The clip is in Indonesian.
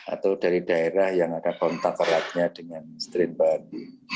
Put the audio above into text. atau dari daerah yang ada kontak eratnya dengan strain baru